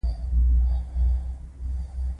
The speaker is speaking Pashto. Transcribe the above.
وسله د انسان د ستړیا پای نه ده